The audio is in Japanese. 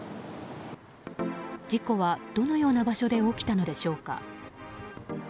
事故は、どのような場所で起きたのでしょうか。